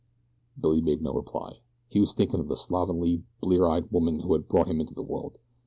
Billy made no reply. He was thinking of the slovenly, blear eyed woman who had brought him into the world.